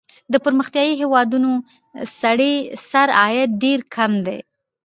د پرمختیايي هېوادونو سړي سر عاید ډېر کم دی.